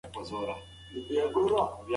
څوک چې ډېر ليکي هغوی ښه ليکي.